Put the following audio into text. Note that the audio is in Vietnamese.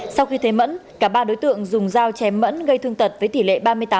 sau khi thấy mẫn cả ba đối tượng dùng dao chém mẫn gây thương tật với tỷ lệ ba mươi tám